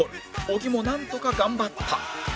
小木もなんとか頑張った